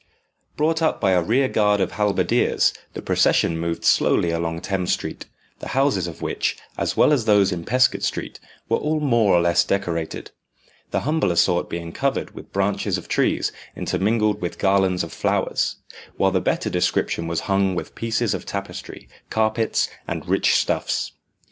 Brought up by a rear guard of halberdiers, the procession moved slowly along Thames Street, the houses of which, as well as those in Peascod Street, were all more or less decorated the humbler sort being covered with branches of trees, intermingled with garlands of flowers, while the better description was hung with pieces of tapestry, carpets, and rich stuffs.